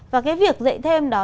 và cái việc dạy thêm đó